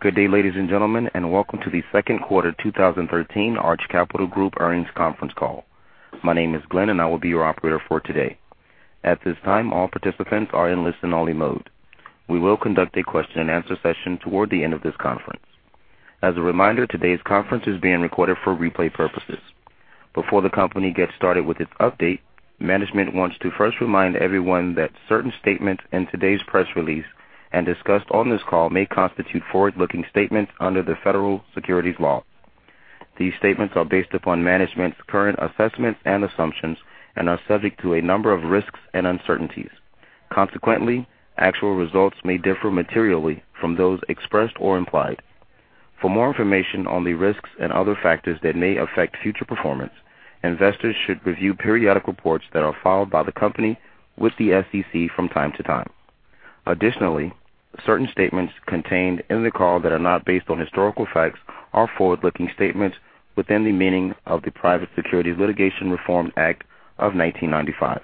Good day, ladies and gentlemen, welcome to the second quarter 2013 Arch Capital Group Earnings Conference Call. My name is Glenn and I will be your operator for today. At this time, all participants are in listen only mode. We will conduct a question and answer session toward the end of this conference. As a reminder, today's conference is being recorded for replay purposes. Before the company gets started with its update, management wants to first remind everyone that certain statements in today's press release and discussed on this call may constitute forward-looking statements under the Federal Securities laws. These statements are based upon management's current assessments and assumptions and are subject to a number of risks and uncertainties. Consequently, actual results may differ materially from those expressed or implied. For more information on the risks and other factors that may affect future performance, investors should review periodic reports that are filed by the company with the SEC from time to time. Additionally, certain statements contained in the call that are not based on historical facts are forward-looking statements within the meaning of the Private Securities Litigation Reform Act of 1995.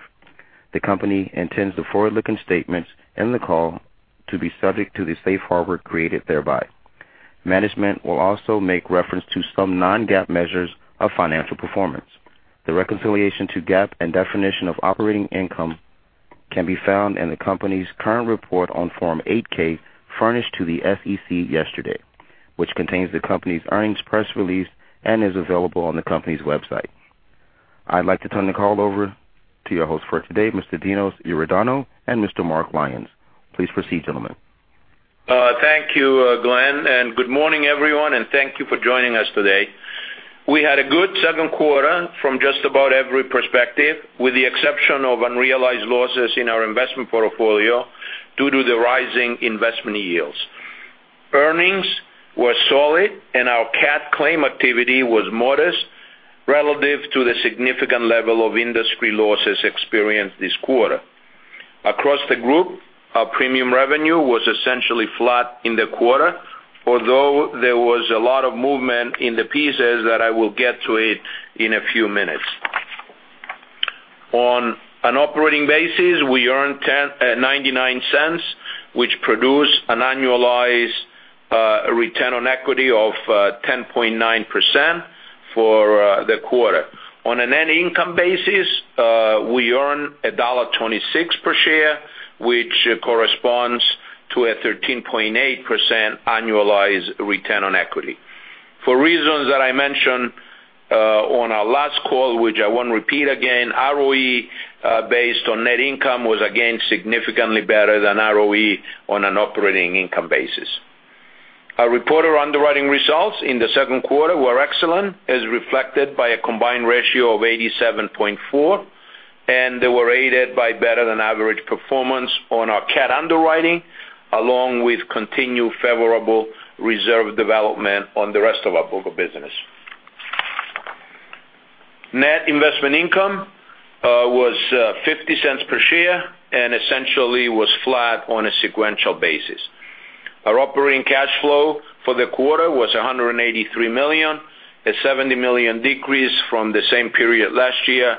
The company intends the forward-looking statements in the call to be subject to the safe harbor created thereby. Management will also make reference to some non-GAAP measures of financial performance. The reconciliation to GAAP and definition of operating income can be found in the company's current report on Form 8-K furnished to the SEC yesterday, which contains the company's earnings press release and is available on the company's website. I'd like to turn the call over to your host for today, Mr. Dinos Iordanou and Mr. Mark Lyons. Please proceed, gentlemen. Thank you, Glenn, good morning, everyone, thank you for joining us today. We had a good second quarter from just about every perspective, with the exception of unrealized losses in our investment portfolio due to the rising investment yields. Earnings were solid and our CAT claim activity was modest relative to the significant level of industry losses experienced this quarter. Across the group, our premium revenue was essentially flat in the quarter, although there was a lot of movement in the pieces that I will get to it in a few minutes. On an operating basis, we earned $0.99, which produced an annualized return on equity of 10.9% for the quarter. On a net income basis, we earn $1.26 per share, which corresponds to a 13.8% annualized return on equity. For reasons that I mentioned on our last call, which I won't repeat again, ROE based on net income was again significantly better than ROE on an operating income basis. Our reported underwriting results in the second quarter were excellent, as reflected by a combined ratio of 87.4, and they were aided by better than average performance on our CAT underwriting, along with continued favorable reserve development on the rest of our book of business. Net investment income was $0.50 per share and essentially was flat on a sequential basis. Our operating cash flow for the quarter was $183 million, a $70 million decrease from the same period last year,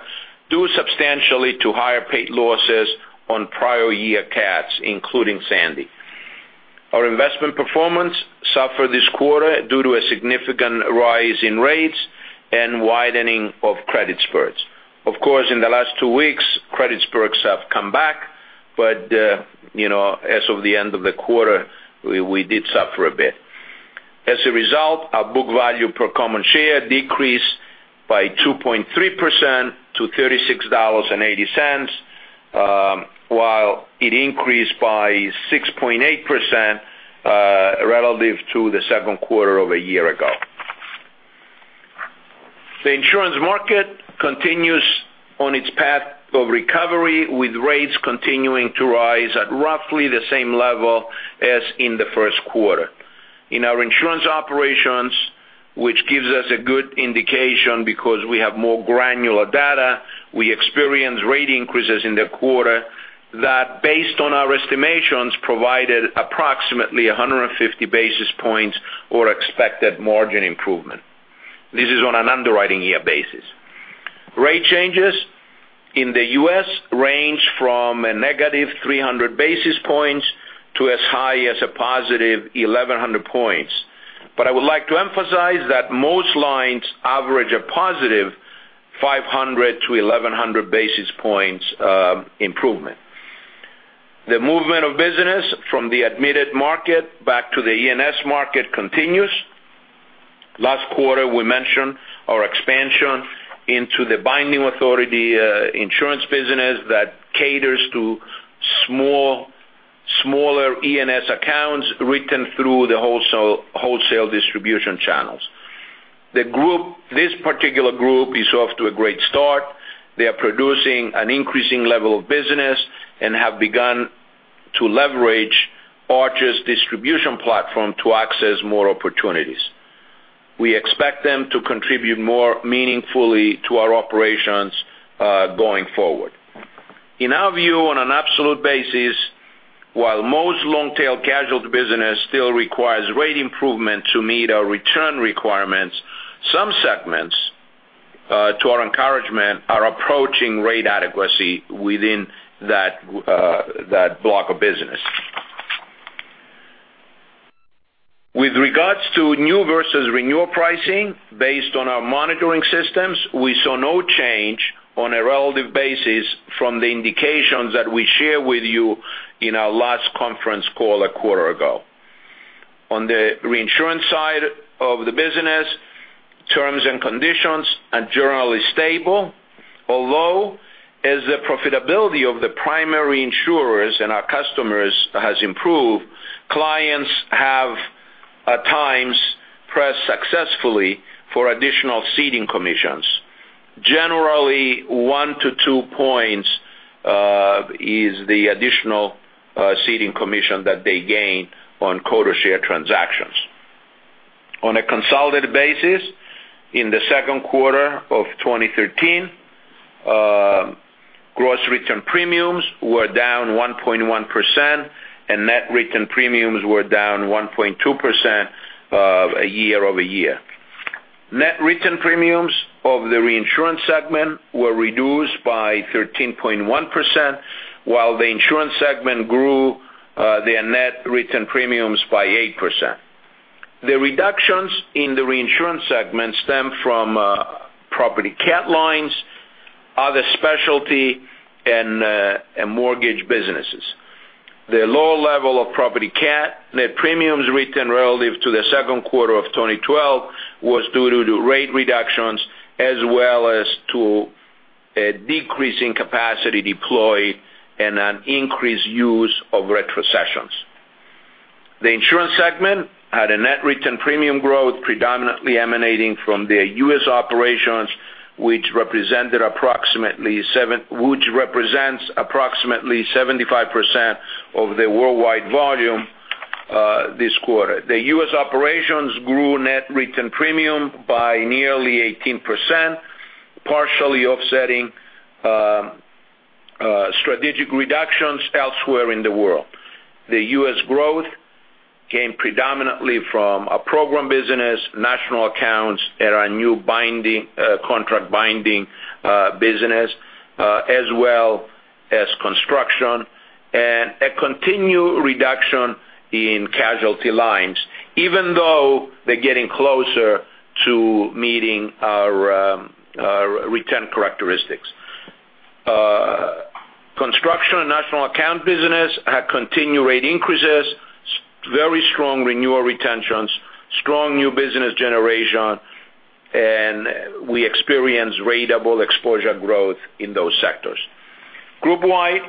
due substantially to higher paid losses on prior year CATs, including Sandy. Our investment performance suffered this quarter due to a significant rise in rates and widening of credit spreads. Of course, in the last 2 weeks, credit spreads have come back, but as of the end of the quarter, we did suffer a bit. As a result, our book value per common share decreased by 2.3% to $36.80, while it increased by 6.8% relative to the second quarter of a year ago. The insurance market continues on its path of recovery, with rates continuing to rise at roughly the same level as in the first quarter. In our insurance operations, which gives us a good indication because we have more granular data, we experienced rate increases in the quarter that, based on our estimations, provided approximately 150 basis points or expected margin improvement. This is on an underwriting year basis. Rate changes in the U.S. range from a negative 300 basis points to as high as a positive 1,100 points. I would like to emphasize that most lines average a positive 500 to 1,100 basis points improvement. The movement of business from the admitted market back to the E&S market continues. Last quarter, we mentioned our expansion into the binding authority insurance business that caters to smaller E&S accounts written through the wholesale distribution channels. This particular group is off to a great start. They are producing an increasing level of business and have begun to leverage Arch's distribution platform to access more opportunities. We expect them to contribute more meaningfully to our operations going forward. In our view, on an absolute basis, while most long-tail casualty business still requires rate improvement to meet our return requirements, some segments To our encouragement are approaching rate adequacy within that block of business. With regards to new versus renewal pricing, based on our monitoring systems, we saw no change on a relative basis from the indications that we shared with you in our last conference call a quarter ago. As the profitability of the primary insurers and our customers has improved, clients have, at times, pressed successfully for additional ceding commissions. Generally, one to two points is the additional ceding commission that they gain on quota share transactions. On a consolidated basis, in the second quarter of 2013, gross written premiums were down 1.1%, and net written premiums were down 1.2% year-over-year. Net written premiums of the reinsurance segment were reduced by 13.1%, while the insurance segment grew their net written premiums by 8%. The reductions in the reinsurance segment stem from property CAT lines, other specialty, and mortgage businesses. The lower level of property CAT, net premiums written relative to the second quarter of 2012 was due to rate reductions as well as to a decrease in capacity deployed and an increased use of retrocessions. The insurance segment had a net written premium growth predominantly emanating from the U.S. operations, which represents approximately 75% of the worldwide volume this quarter. The U.S. operations grew net written premium by nearly 18%, partially offsetting strategic reductions elsewhere in the world. The U.S. growth came predominantly from our program business, national accounts, and our new contract binding business, as well as construction and a continued reduction in casualty lines, even though they're getting closer to meeting our return characteristics. Construction and national account business had continued rate increases, very strong renewal retentions, strong new business generation, and we experienced ratable exposure growth in those sectors. Group wide,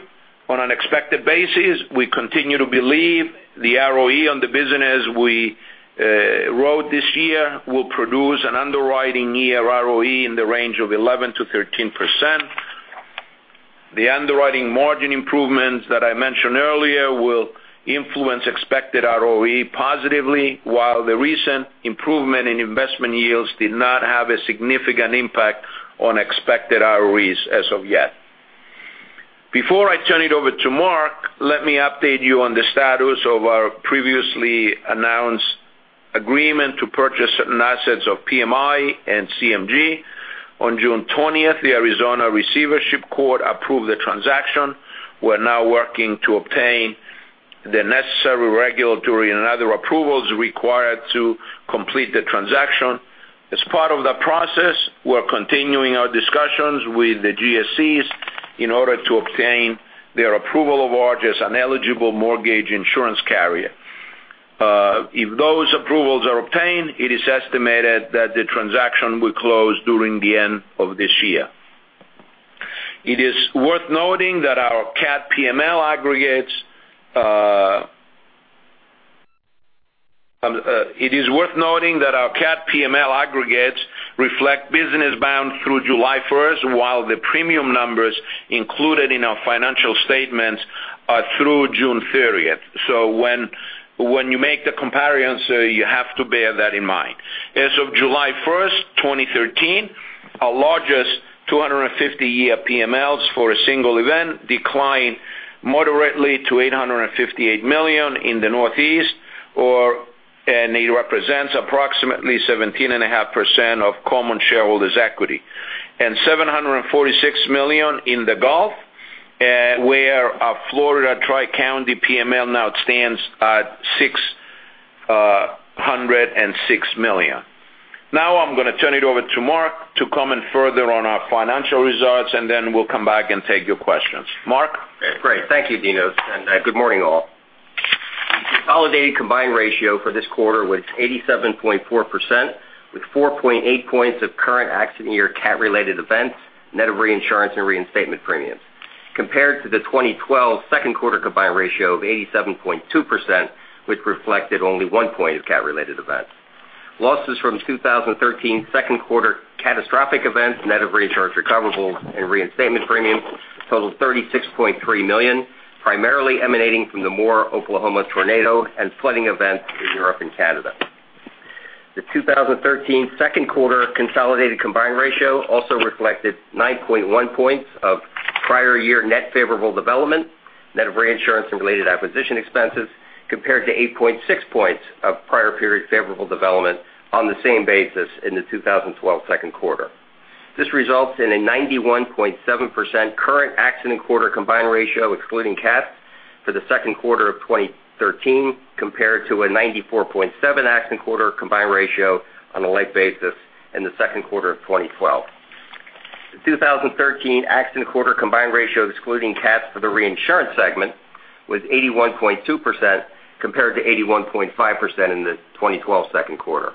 on an expected basis, we continue to believe the ROE on the business we wrote this year will produce an underwriting year ROE in the range of 11%-13%. The underwriting margin improvements that I mentioned earlier will influence expected ROE positively, while the recent improvement in investment yields did not have a significant impact on expected ROEs as of yet. Before I turn it over to Mark, let me update you on the status of our previously announced agreement to purchase certain assets of PMI and CMG. On June 20th, the Arizona Receivership Court approved the transaction. We're now working to obtain the necessary regulatory and other approvals required to complete the transaction. As part of the process, we're continuing our discussions with the GSEs in order to obtain their approval of Arch as an eligible mortgage insurance carrier. If those approvals are obtained, it is estimated that the transaction will close during the end of this year. It is worth noting that our CAT PML aggregates reflect business bound through July 1st, while the premium numbers included in our financial statements are through June 30th. When you make the comparisons, you have to bear that in mind. As of July 1st, 2013, our largest 250-year PMLs for a single event declined moderately to $858 million in the Northeast, and it represents approximately 17.5% of common shareholders' equity, and $746 million in the Gulf, where our Florida Tri-County PML now stands at $606 million. I'm going to turn it over to Mark to comment further on our financial results, and then we'll come back and take your questions. Mark? Great. Thank you, Dinos, and good morning, all. Consolidated combined ratio for this quarter was 87.4%, with 4.8 points of current accident year CAT-related events, net of reinsurance and reinstatement premiums, compared to the 2012 second quarter combined ratio of 87.2%, which reflected only 1 point of CAT-related events. Losses from 2013 second quarter catastrophic events, net of reinsurance recoverable and reinstatement premiums, totaled $36.3 million, primarily emanating from the Moore, Oklahoma tornado and flooding events in Europe and Canada. The 2013 second quarter consolidated combined ratio also reflected 9.1 points of prior year net favorable development. Net reinsurance and related acquisition expenses compared to 8.6 points of prior period favorable development on the same basis in the 2012 second quarter. This results in a 91.7% current accident quarter combined ratio, excluding CAT, for the second quarter of 2013, compared to a 94.7 accident quarter combined ratio on a like basis in the second quarter of 2012. The 2013 accident quarter combined ratio excluding CAT for the reinsurance segment was 81.2%, compared to 81.5% in the 2012 second quarter.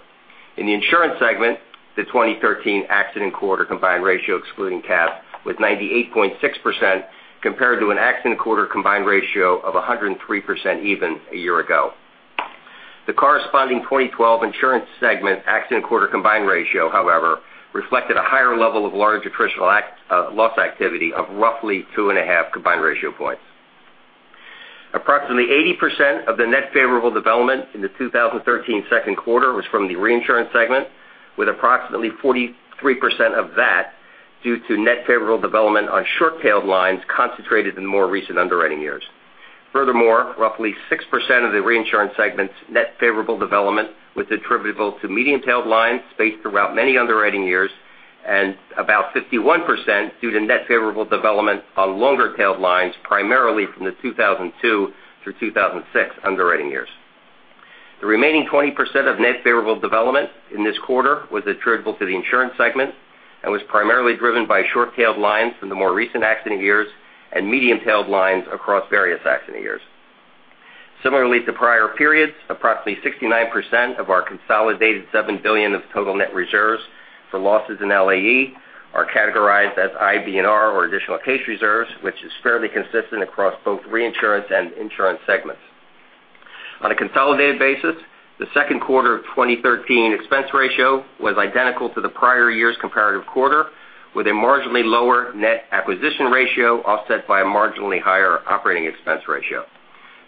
In the insurance segment, the 2013 accident quarter combined ratio excluding CAT was 98.6%, compared to an accident quarter combined ratio of 103% even a year ago. The corresponding 2012 insurance segment accident quarter combined ratio, however, reflected a higher level of large attritional loss activity of roughly two and a half combined ratio points. Approximately 80% of the net favorable development in the 2013 second quarter was from the reinsurance segment, with approximately 43% of that due to net favorable development on short-tailed lines concentrated in more recent underwriting years. Roughly 6% of the reinsurance segment's net favorable development was attributable to medium-tailed lines based throughout many underwriting years, and about 51% due to net favorable development on longer-tailed lines, primarily from the 2002 through 2006 underwriting years. The remaining 20% of net favorable development in this quarter was attributable to the insurance segment and was primarily driven by short-tailed lines in the more recent accident years and medium-tailed lines across various accident years. Similarly to prior periods, approximately 69% of our consolidated $7 billion of total net reserves for losses in LAE are categorized as IBNR or additional case reserves, which is fairly consistent across both reinsurance and insurance segments. On a consolidated basis, the second quarter of 2013 expense ratio was identical to the prior year's comparative quarter, with a marginally lower net acquisition ratio offset by a marginally higher operating expense ratio.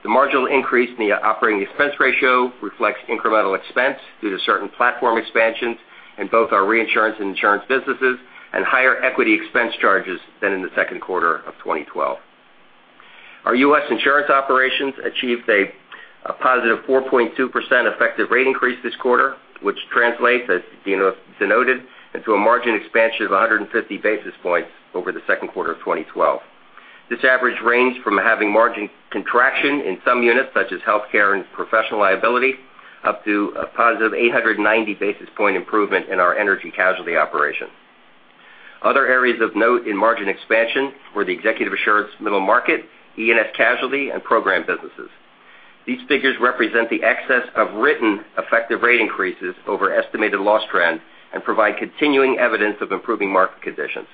The marginal increase in the operating expense ratio reflects incremental expense due to certain platform expansions in both our reinsurance and insurance businesses and higher equity expense charges than in the second quarter of 2012. Our U.S. insurance operations achieved a positive 4.2% effective rate increase this quarter, which translates, as denoted, into a margin expansion of 150 basis points over the second quarter of 2012. This average ranged from having margin contraction in some units, such as healthcare and professional liability, up to a positive 890 basis point improvement in our energy casualty operation. Other areas of note in margin expansion were the executive assurance middle market, E&S casualty, and program businesses. These figures represent the excess of written effective rate increases over estimated loss trends and provide continuing evidence of improving market conditions.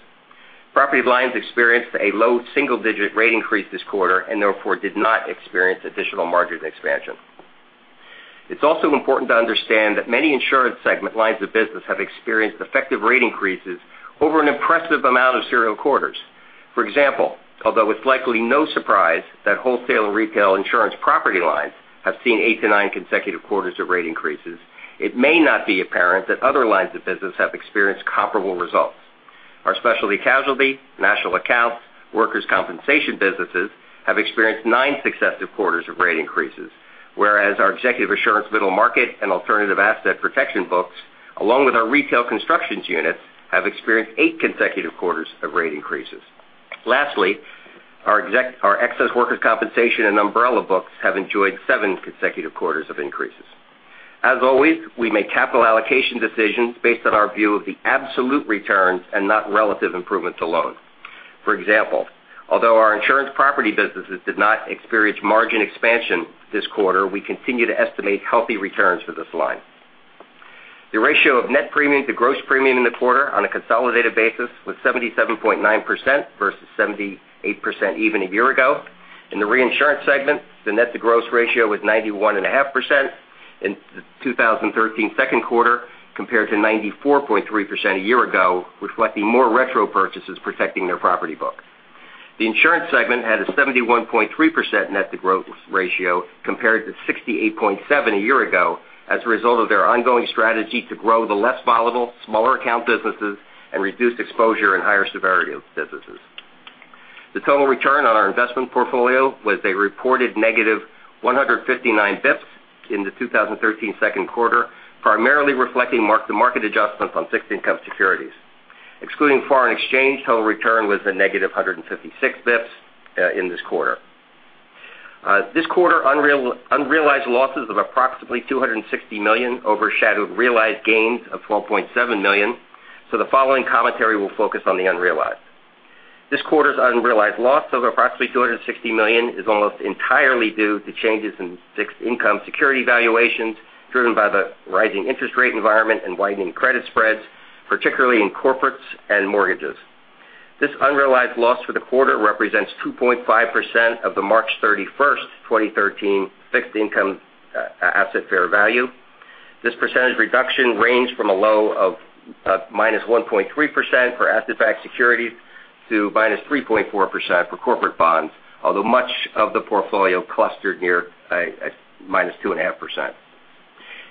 Property lines experienced a low single-digit rate increase this quarter and therefore did not experience additional margin expansion. It's also important to understand that many insurance segment lines of business have experienced effective rate increases over an impressive amount of serial quarters. For example, although it's likely no surprise that wholesale and retail insurance property lines have seen eight to nine consecutive quarters of rate increases, it may not be apparent that other lines of business have experienced comparable results. Our specialty casualty, national accounts, workers' compensation businesses have experienced nine successive quarters of rate increases, whereas our executive assurance middle market and alternative asset protection books, along with our retail constructions units, have experienced eight consecutive quarters of rate increases. Lastly, our excess workers' compensation and umbrella books have enjoyed seven consecutive quarters of increases. As always, we make capital allocation decisions based on our view of the absolute returns and not relative improvements alone. For example, although our insurance property businesses did not experience margin expansion this quarter, we continue to estimate healthy returns for this line. The ratio of net premium to gross premium in the quarter on a consolidated basis was 77.9% versus 78% even a year ago. In the reinsurance segment, the net to gross ratio was 91.5% in 2013 second quarter compared to 94.3% a year ago, reflecting more retro purchases protecting their property book. The insurance segment had a 71.3% net to gross ratio compared to 68.7% a year ago as a result of their ongoing strategy to grow the less volatile, smaller account businesses and reduce exposure in higher severity businesses. The total return on our investment portfolio was a reported negative 159 basis points in the 2013 second quarter, primarily reflecting mark-to-market adjustments on fixed income securities. Excluding foreign exchange, total return was a negative 156 basis points in this quarter. This quarter, unrealized losses of approximately $260 million overshadowed realized gains of $12.7 million. The following commentary will focus on the unrealized. This quarter's unrealized loss of approximately $260 million is almost entirely due to changes in fixed income security valuations driven by the rising interest rate environment and widening credit spreads, particularly in corporates and mortgages. This unrealized loss for the quarter represents 2.5% of the March 31st, 2013, fixed income asset fair value. This percentage reduction ranged from a low of -1.3% for asset-backed securities to -3.4% for corporate bonds, although much of the portfolio clustered near a -2.5%.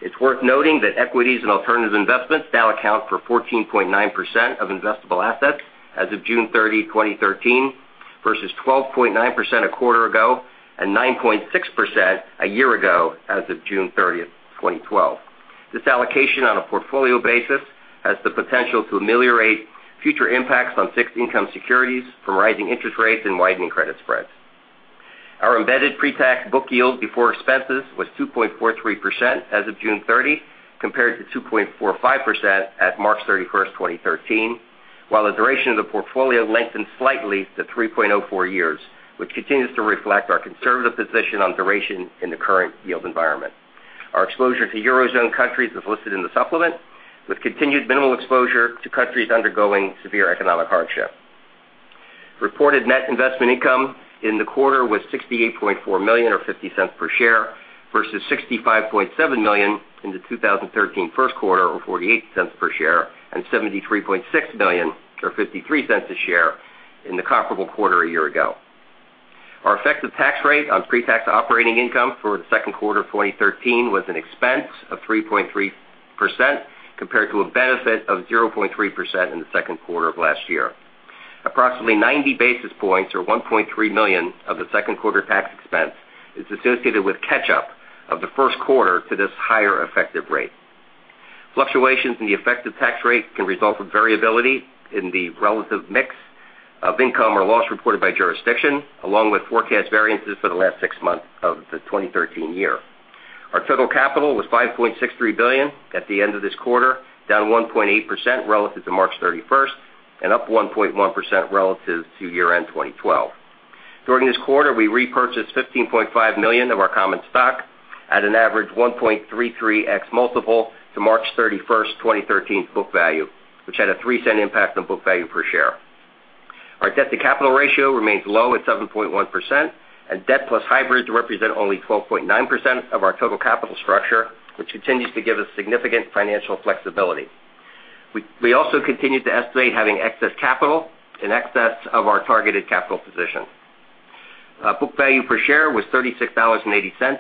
It's worth noting that equities and alternative investments now account for 14.9% of investable assets as of June 30, 2013, versus 12.9% a quarter ago and 9.6% a year ago as of June 30, 2012. This allocation on a portfolio basis has the potential to ameliorate future impacts on fixed income securities from rising interest rates and widening credit spreads. Our embedded pre-tax book yield before expenses was 2.43% as of June 30, compared to 2.45% at March 31st, 2013. While the duration of the portfolio lengthened slightly to 3.04 years, which continues to reflect our conservative position on duration in the current yield environment. Our exposure to eurozone countries is listed in the supplement, with continued minimal exposure to countries undergoing severe economic hardship. Reported net investment income in the quarter was $68.4 million, or $0.50 per share, versus $65.7 million in the 2013 first quarter, or $0.48 per share, and $73.6 million or $0.53 a share in the comparable quarter a year ago. Our effective tax rate on pre-tax operating income for the second quarter of 2013 was an expense of 3.3%, compared to a benefit of 0.3% in the second quarter of last year. Approximately 90 basis points or $1.3 million of the second quarter tax expense is associated with catch-up of the first quarter to this higher effective rate. Fluctuations in the effective tax rate can result from variability in the relative mix of income or loss reported by jurisdiction, along with forecast variances for the last six months of the 2013 year. Our total capital was $5.63 billion at the end of this quarter, down 1.8% relative to March 31st, and up 1.1% relative to year-end 2012. During this quarter, we repurchased $15.5 million of our common stock at an average 1.33x multiple to March 31st, 2013's book value, which had a $0.03 impact on book value per share. Our debt-to-capital ratio remains low at 7.1%, and debt plus hybrids represent only 12.9% of our total capital structure, which continues to give us significant financial flexibility. We also continue to estimate having excess capital in excess of our targeted capital position. Book value per share was $36.80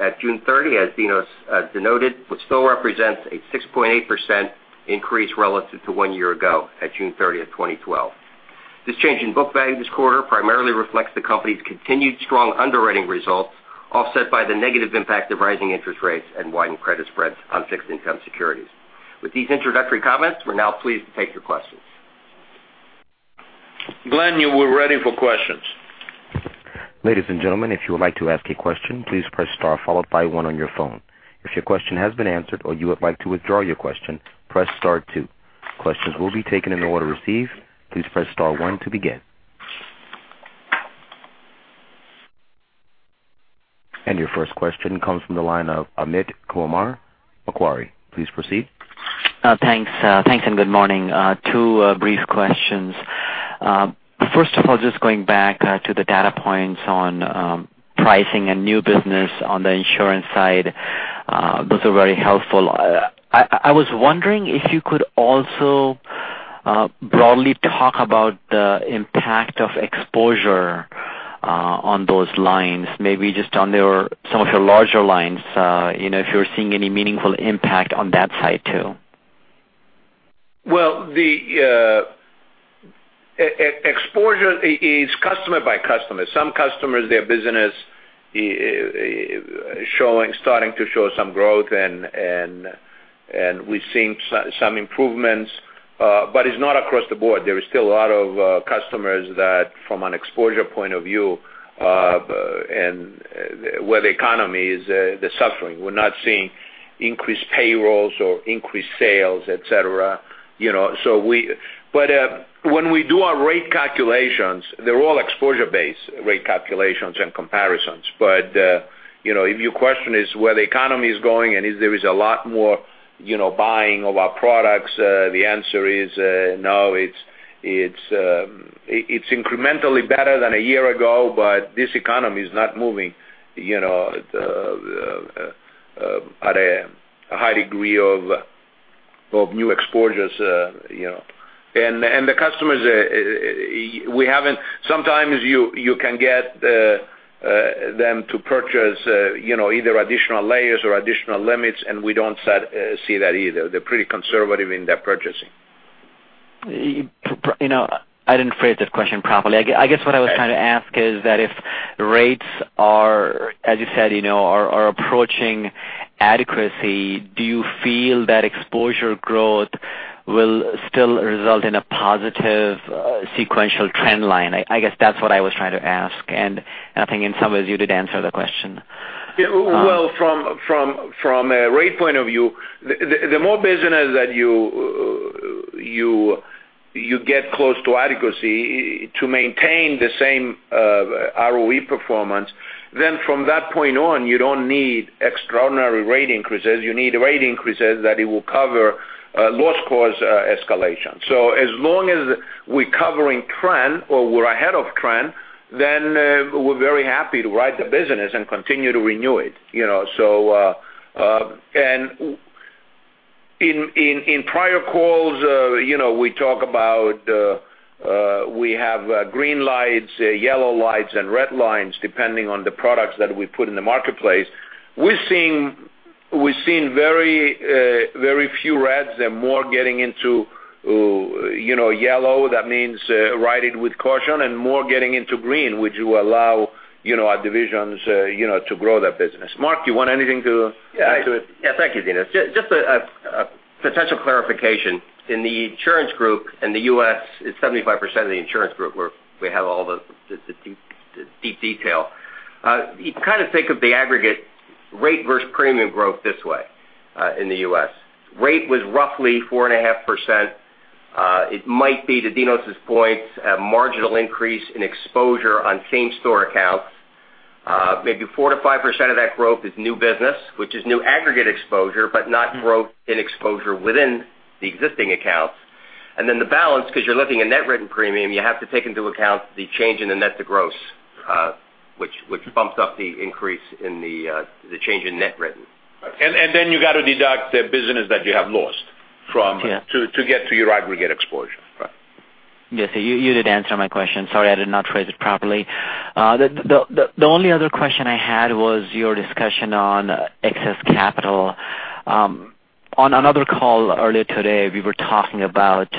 at June 30, as Dinos denoted, which still represents a 6.8% increase relative to one year ago at June 30, 2012. This change in book value this quarter primarily reflects the company's continued strong underwriting results, offset by the negative impact of rising interest rates and widened credit spreads on fixed income securities. With these introductory comments, we're now pleased to take your questions. Glenn, we're ready for questions. Ladies and gentlemen, if you would like to ask a question, please press star followed by one on your phone. If your question has been answered or you would like to withdraw your question, press star two. Questions will be taken in the order received. Please press star one to begin. Your first question comes from the line of Amit Kumar, Macquarie. Please proceed. Thanks. Thanks and good morning. Two brief questions. First of all, just going back to the data points on pricing and new business on the insurance side. Those are very helpful. I was wondering if you could also broadly talk about the impact of exposure on those lines, maybe just on some of your larger lines, if you're seeing any meaningful impact on that side too. Well, the exposure is customer by customer. Some customers, their business is starting to show some growth, and we've seen some improvements. It's not across the board. There are still a lot of customers that from an exposure point of view, where the economy is suffering. We're not seeing increased payrolls or increased sales, et cetera. When we do our rate calculations, they're all exposure-based rate calculations and comparisons. If your question is where the economy is going and if there is a lot more buying of our products, the answer is no. It's incrementally better than a year ago, but this economy is not moving at a high degree of new exposures. The customers, sometimes you can get them to purchase either additional layers or additional limits, and we don't see that either. They're pretty conservative in their purchasing. I didn't phrase this question properly. I guess what I was trying to ask is that if rates are, as you said, are approaching adequacy, do you feel that exposure growth will still result in a positive sequential trend line? I guess that's what I was trying to ask, and I think in some ways you did answer the question. From a rate point of view, the more business that you get close to adequacy to maintain the same ROE performance, then from that point on, you don't need extraordinary rate increases. You need rate increases that it will cover loss cost escalation. As long as we're covering trend or we're ahead of trend, then we're very happy to ride the business and continue to renew it. In prior calls, we talk about we have green lights, yellow lights, and red lines depending on the products that we put in the marketplace. We're seeing very few reds. They're more getting into yellow. That means ride it with caution, and more getting into green, which will allow our divisions to grow that business. Mark, do you want anything to add to it? Thank you, Dinos. Just a potential clarification. In the insurance group in the U.S., it's 75% of the insurance group where we have all the deep detail. You kind of think of the aggregate rate versus premium growth this way, in the U.S. Rate was roughly 4.5%. It might be, to Dinos' points, a marginal increase in exposure on same store accounts. Maybe 4%-5% of that growth is new business, which is new aggregate exposure, but not growth in exposure within the existing accounts. The balance, because you're looking at net written premium, you have to take into account the change in the net to gross, which bumps up the increase in the change in net written. You got to deduct the business that you have lost to get to your aggregate exposure. Right. Yes, you did answer my question. Sorry, I did not phrase it properly. The only other question I had was your discussion on excess capital. On another call earlier today, we were talking about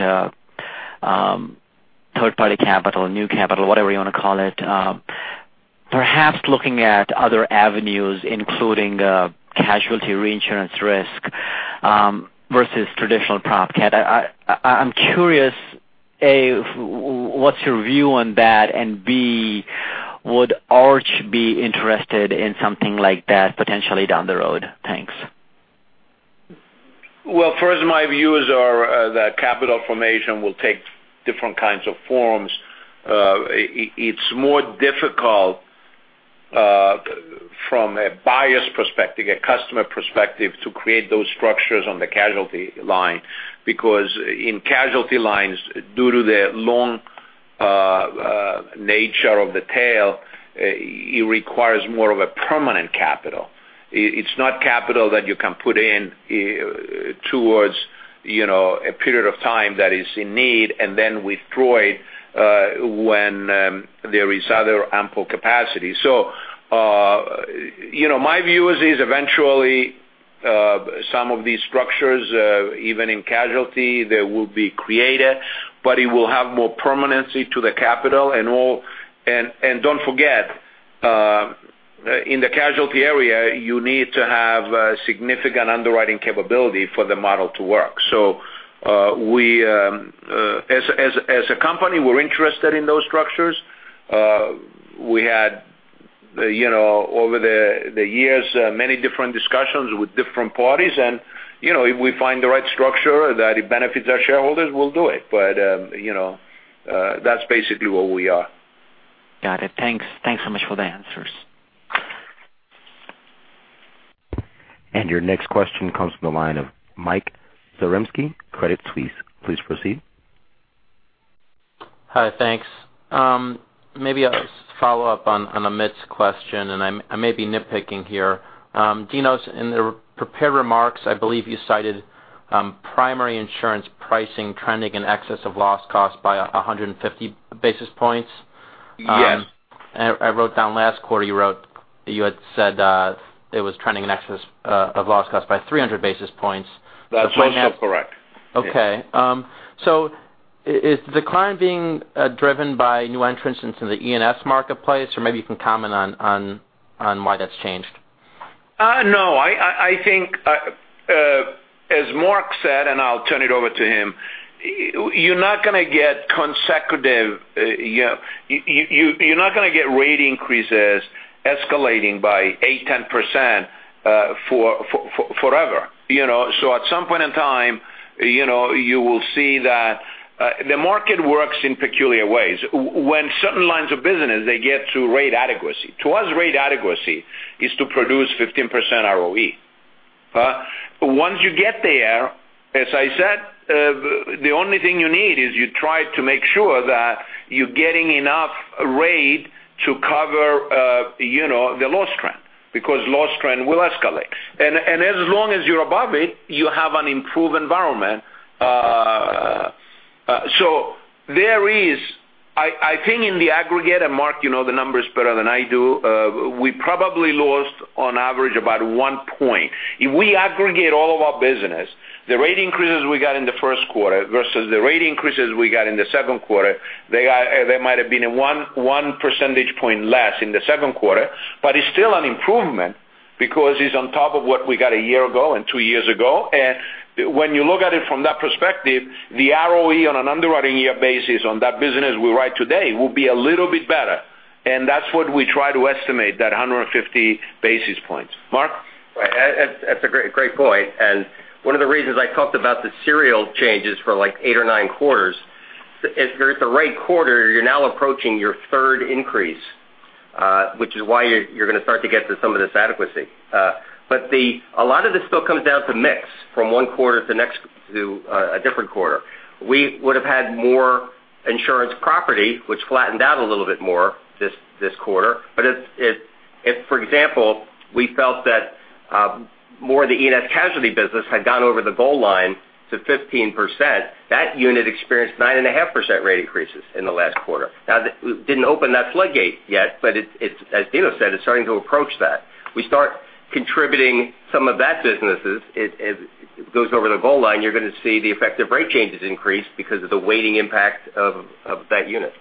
third party capital, new capital, whatever you want to call it. Perhaps looking at other avenues including casualty reinsurance risk versus traditional prop CAT. I'm curious, A, what's your view on that? B, would Arch be interested in something like that potentially down the road? Thanks. Well, first, my views are that capital formation will take different kinds of forms. It's more difficult from a buyer's perspective, a customer perspective, to create those structures on the casualty line. In casualty lines, due to the long nature of the tail, it requires more of a permanent capital. It's not capital that you can put in towards a period of time that is in need and then withdraw it when there is other ample capacity. My view is, eventually some of these structures even in casualty, they will be created, but it will have more permanency to the capital and all. Don't forget, in the casualty area, you need to have significant underwriting capability for the model to work. As a company, we're interested in those structures. We had over the years, many different discussions with different parties, if we find the right structure that it benefits our shareholders, we'll do it. That's basically where we are. Got it. Thanks so much for the answers. Your next question comes from the line of Michael Zaremski, Credit Suisse. Please proceed. Hi. Thanks. Maybe I'll just follow up on Amit's question, and I may be nitpicking here. Dinos, in the prepared remarks, I believe you cited primary insurance pricing trending in excess of loss cost by 150 basis points. Yes. I wrote down last quarter you had said it was trending in excess of loss cost by 300 basis points. That's also correct. Okay. Is the decline being driven by new entrants into the E&S marketplace? Maybe you can comment on why that's changed. No. I think as Mark said, and I'll turn it over to him, you're not going to get rate increases escalating by eight, 10% forever. At some point in time you will see that the market works in peculiar ways. When certain lines of business, they get to rate adequacy. To us, rate adequacy is to produce 15% ROE. Once you get there, as I said, the only thing you need is you try to make sure that you're getting enough rate to cover the loss trend, because loss trend will escalate. As long as you're above it, you have an improved environment. I think in the aggregate, and Mark, you know the numbers better than I do, we probably lost on average about one point. If we aggregate all of our business, the rate increases we got in the first quarter versus the rate increases we got in the second quarter, there might've been a one percentage point less in the second quarter. It's still an improvement because it's on top of what we got a year ago and two years ago. When you look at it from that perspective, the ROE on an underwriting year basis on that business we write today will be a little bit better, and that's what we try to estimate, that 150 basis points. Mark? Right. That's a great point, and one of the reasons I talked about the serial changes for like eight or nine quarters. If you're at the right quarter, you're now approaching your third increase, which is why you're going to start to get to some of this adequacy. A lot of this still comes down to mix from one quarter to a different quarter. We would've had more insurance property, which flattened out a little bit more this quarter. If, for example, we felt that more of the E&S casualty business had gone over the goal line to 15%, that unit experienced 9.5% rate increases in the last quarter. We didn't open that floodgate yet, but as Dinos said, it's starting to approach that. We start contributing some of that businesses, it goes over the goal line, you're going to see the effective rate changes increase because of the weighting impact of that unit.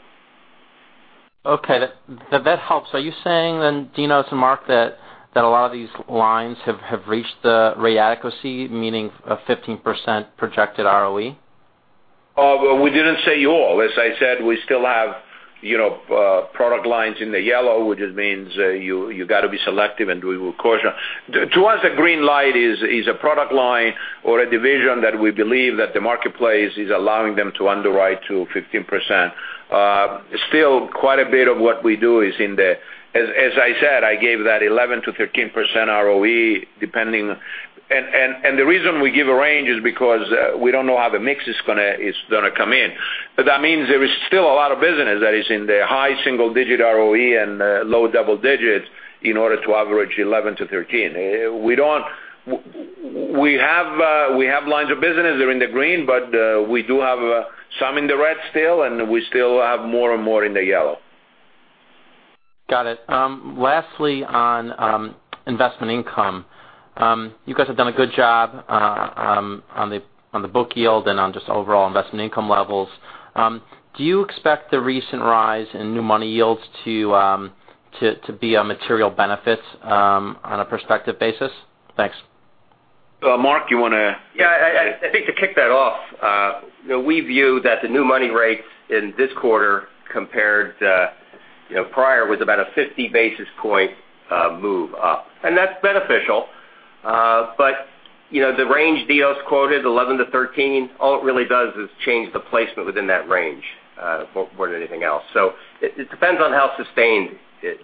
Okay. That helps. Are you saying, Dino to Mark, that a lot of these lines have reached the rate adequacy, meaning a 15% projected ROE? Well, we didn't say all. As I said, we still have product lines in the yellow, which just means you got to be selective, and we will caution. To us, a green light is a product line or a division that we believe that the marketplace is allowing them to underwrite to 15%. As I said, I gave that 11%-13% ROE, depending. The reason we give a range is because we don't know how the mix is going to come in. That means there is still a lot of business that is in the high single-digit ROE and low double digits in order to average 11 to 13. We have lines of business that are in the green. We do have some in the red still. We still have more and more in the yellow. Got it. Lastly, on investment income. You guys have done a good job on the book yield and on just overall investment income levels. Do you expect the recent rise in new money yields to be a material benefit on a prospective basis? Thanks. Mark, you want to Yeah. I think to kick that off, we view that the new money rates in this quarter compared to prior was about a 50 basis point move up. That's beneficial. The range Dinos's quoted, 11 to 13, all it really does is change the placement within that range, more than anything else. It depends on how sustained it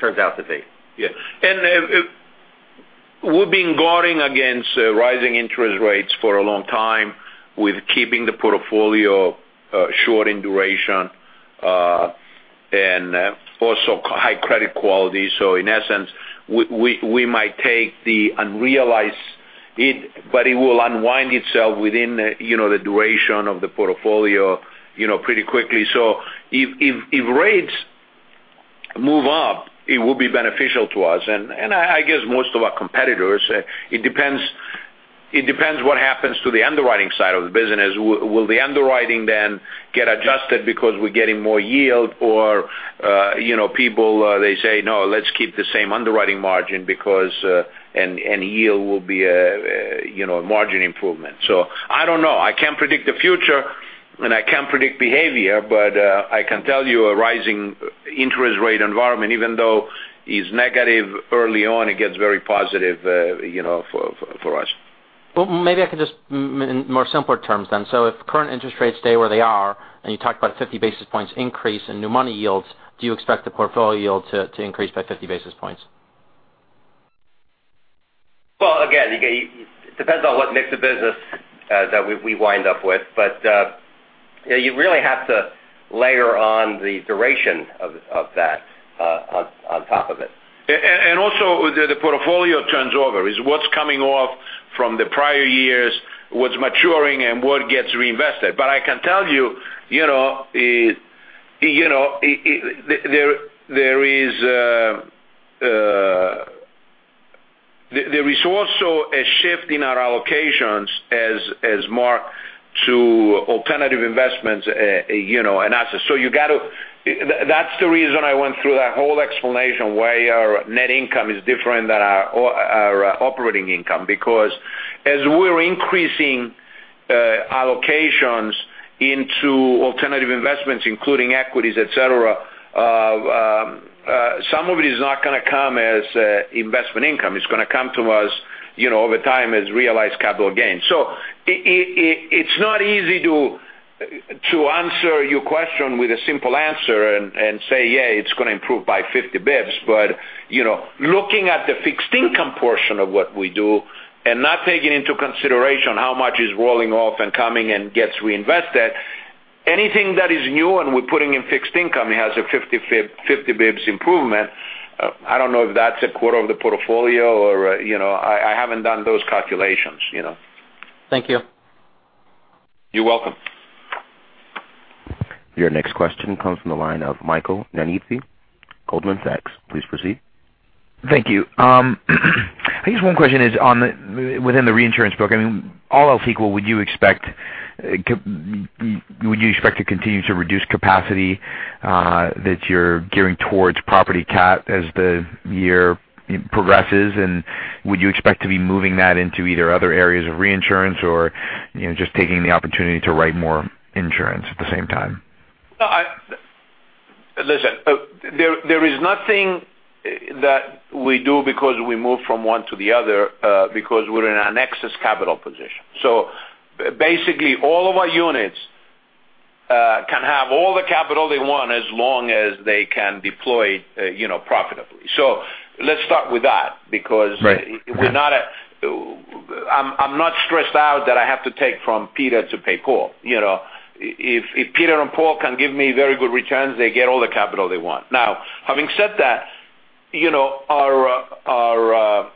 turns out to be. Yeah. We've been guarding against rising interest rates for a long time with keeping the portfolio short in duration, and also high credit quality. In essence, we might take the unrealized it, but it will unwind itself within the duration of the portfolio pretty quickly. If rates move up, it will be beneficial to us and I guess most of our competitors. It depends what happens to the underwriting side of the business. Will the underwriting then get adjusted because we're getting more yield or people say, "No, let's keep the same underwriting margin because any yield will be a margin improvement." I don't know. I can't predict the future, and I can't predict behavior, but I can tell you a rising interest rate environment, even though it's negative early on, it gets very positive for us. Well, maybe I could just in more simpler terms then. If current interest rates stay where they are, and you talked about a 50 basis points increase in new money yields, do you expect the portfolio yield to increase by 50 basis points? Well, again, it depends on what mix of business that we wind up with. You really have to layer on the duration of that on top of it. Also, the portfolio turns over. Is what's coming off from the prior years, what's maturing and what gets reinvested. I can tell you, there is also a shift in our allocations as Mark to alternative investments and assets. That's the reason I went through that whole explanation why our net income is different than our operating income. As we're increasing allocations into alternative investments, including equities, et cetera, some of it is not going to come as investment income. It's going to come to us over time as realized capital gains. It's not easy to answer your question with a simple answer and say, "Yeah, it's going to improve by 50 basis points." Looking at the fixed income portion of what we do and not taking into consideration how much is rolling off and coming and gets reinvested, anything that is new and we're putting in fixed income has a 50 basis points improvement. I don't know if that's a quarter of the portfolio or I haven't done those calculations. Thank you. You're welcome. Your next question comes from the line of Michael Nannizzi, Goldman Sachs. Please proceed. Thank you. I guess one question is within the reinsurance book. All else equal, would you expect to continue to reduce capacity that you're gearing towards property CAT as the year progresses? Would you expect to be moving that into either other areas of reinsurance or just taking the opportunity to write more insurance at the same time? Listen. There is nothing that we do because we move from one to the other because we're in an excess capital position. Basically, all of our units can have all the capital they want as long as they can deploy profitably. Let's start with that. Right I'm not stressed out that I have to take from Peter to pay Paul. If Peter and Paul can give me very good returns, they get all the capital they want. Having said that, our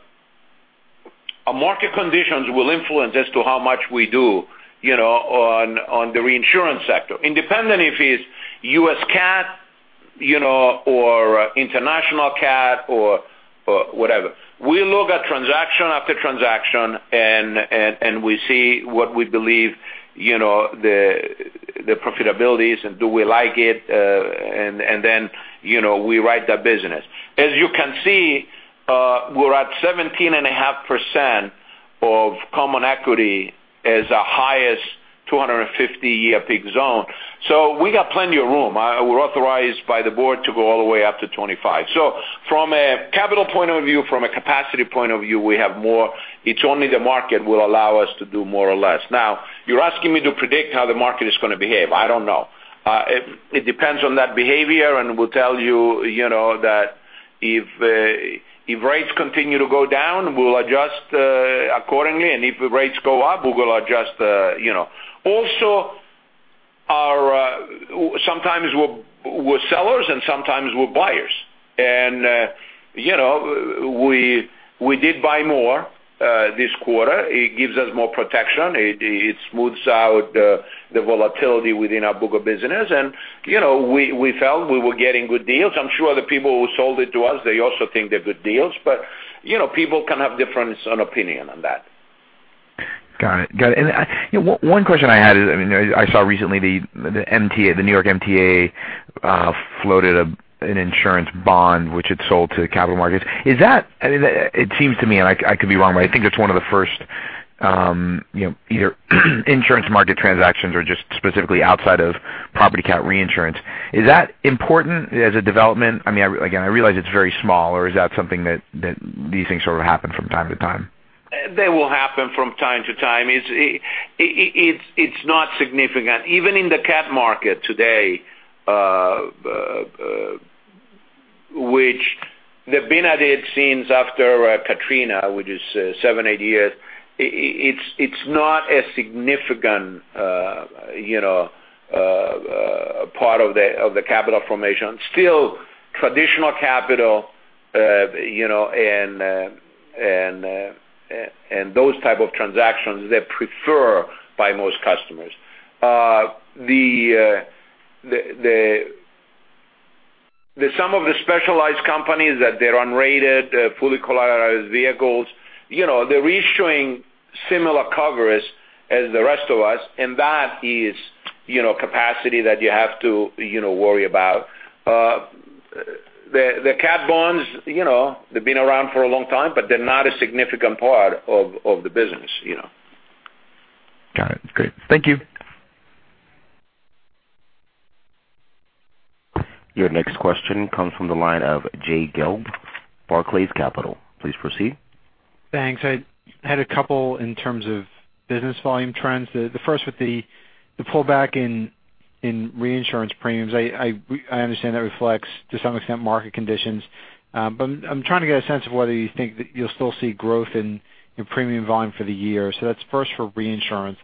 market conditions will influence as to how much we do on the reinsurance sector, independent if it's U.S. CAT or international CAT or whatever. We look at transaction after transaction, and we see what we believe the profitability is and do we like it, then we write that business. As you can see, we're at 17.5% of common equity as the highest 250-year peak zone. We got plenty of room. We're authorized by the board to go all the way up to 25. From a capital point of view, from a capacity point of view, we have more. It's only the market will allow us to do more or less. You're asking me to predict how the market is going to behave. I don't know. It depends on that behavior, we'll tell you that if rates continue to go down, we'll adjust accordingly, if the rates go up, we will adjust. Sometimes we're sellers, sometimes we're buyers. We did buy more this quarter. It gives us more protection. It smooths out the volatility within our book of business, we felt we were getting good deals. I'm sure the people who sold it to us, they also think they're good deals, people can have different opinion on that. Got it. One question I had is, I saw recently the New York MTA floated an insurance bond which it sold to the capital markets. It seems to me, I could be wrong, I think it's one of the first either insurance market transactions or just specifically outside of property CAT reinsurance. Is that important as a development? Again, I realize it's very small. Is that something that these things sort of happen from time to time? They will happen from time to time. It's not significant. Even in the CAT market today, which they've been at it since after Katrina, which is seven, eight years, it's not a significant part of the capital formation. Traditional capital and those type of transactions they're preferred by most customers. The sum of the specialized companies that they're unrated, fully collateralized vehicles, they're reissuing similar coverage as the rest of us, that is capacity that you have to worry about. The CAT bonds, they've been around for a long time, they're not a significant part of the business. Got it. Great. Thank you. Your next question comes from the line of Jay Gelb, Barclays Capital. Please proceed. Thanks. I had a couple in terms of business volume trends. The first with the pullback in reinsurance premiums. I understand that reflects to some extent market conditions. I'm trying to get a sense of whether you think that you'll still see growth in your premium volume for the year. That's first for reinsurance.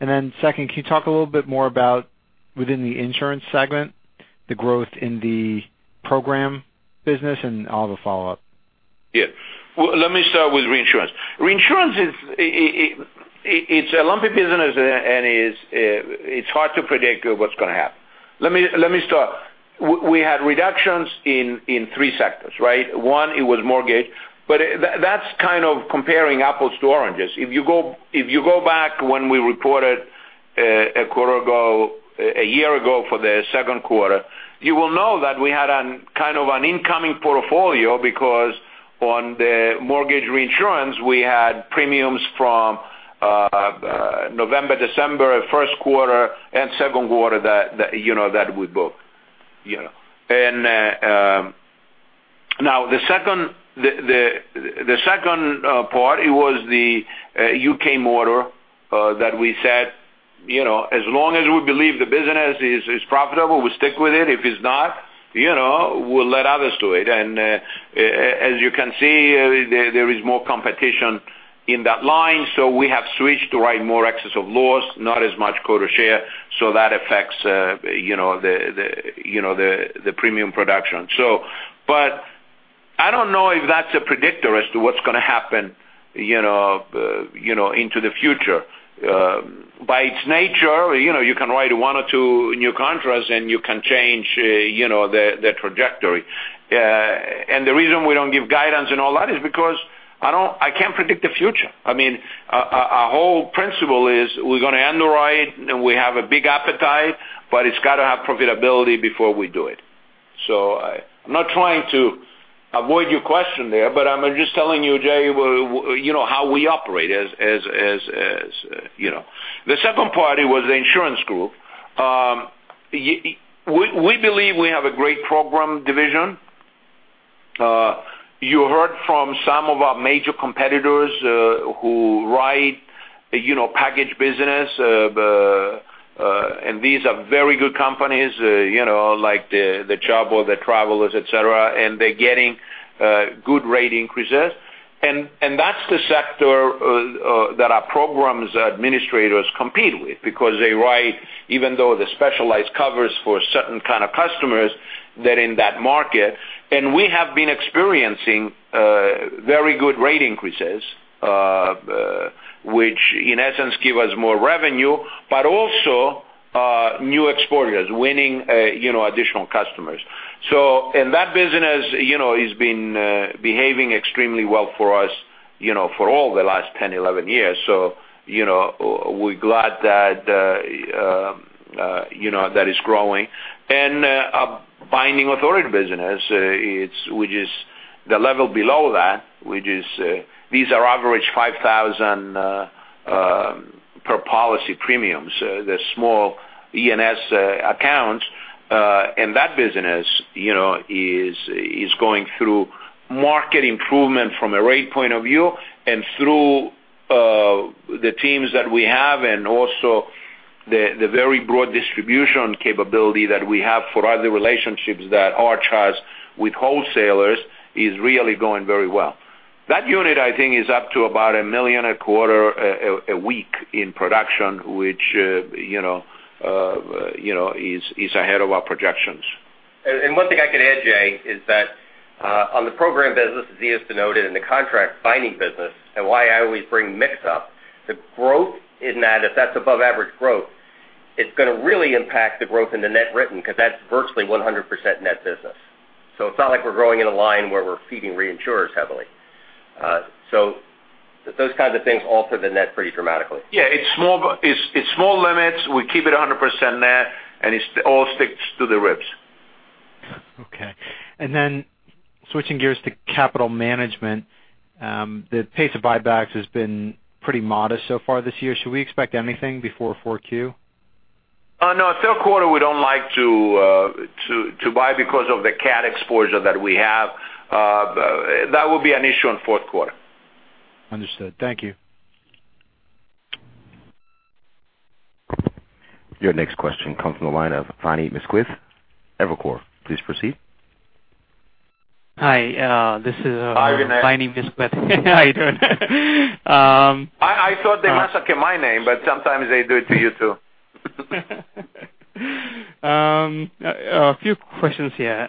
Then second, can you talk a little bit more about within the insurance segment, the growth in the program business and I'll have a follow-up. Yeah. Well, let me start with reinsurance. Reinsurance it's a lumpy business, and it's hard to predict what's going to happen. Let me start. We had reductions in three sectors, right? One, it was mortgage, but that's kind of comparing apples to oranges. If you go back when we reported a year ago for the second quarter, you will know that we had a kind of an incoming portfolio because on the mortgage reinsurance, we had premiums from November, December, first quarter and second quarter that we book. The second part, it was the U.K. motor that we said, as long as we believe the business is profitable, we stick with it. If it's not, we'll let others do it. As you can see, there is more competition in that line. We have switched to write more excess of loss, not as much quota share. That affects the premium production. I don't know if that's a predictor as to what's going to happen into the future. By its nature, you can write 1 or 2 new contracts, and you can change the trajectory. The reason we don't give guidance in all that is because I can't predict the future. Our whole principle is we're going to underwrite, and we have a big appetite, but it's got to have profitability before we do it. I'm not trying to avoid your question there, but I'm just telling you, Jay, how we operate. The second part was the insurance group. We believe we have a great program division. You heard from some of our major competitors who write the package business, and these are very good companies like Chubb, the Travelers, et cetera, and they're getting good rate increases. That's the sector that our programs administrators compete with, because they write, even though the specialized covers for certain kind of customers, they're in that market. We have been experiencing very good rate increases, which in essence give us more revenue, but also new exposures, winning additional customers. That business is behaving extremely well for us for all the last 10, 11 years. We're glad that is growing. Binding authority business, which is the level below that, these are average $5,000 per policy premiums, the small E&S accounts. That business is going through market improvement from a rate point of view, and through the teams that we have, and also the very broad distribution capability that we have for other relationships that Arch has with wholesalers, is really going very well. That unit, I think, is up to about $1 million a quarter a week in production, which is ahead of our projections. One thing I can add, Jay, is that on the program business, as he has denoted in the contract binding business, and why I always bring mix up, the growth in that, if that's above average growth, it's going to really impact the growth in the net written because that's virtually 100% net business. Those kinds of things alter the net pretty dramatically. Yeah. It's small limits. We keep it 100% net, it all sticks to the ribs. Okay. Switching gears to capital management, the pace of buybacks has been pretty modest so far this year. Should we expect anything before 4Q? No. Third quarter, we don't like to buy because of the CAT exposure that we have. That will be an issue in fourth quarter. Understood. Thank you. Your next question comes from the line of Vinay Misquith, Evercore. Please proceed. Hi, this is- Hi. Vinay Misquith. How are you doing? I thought they mistaken my name, sometimes they do it to you, too. A few questions here.